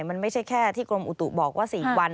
มันไม่ใช่แค่ที่กรมอุตุบอกว่า๔วัน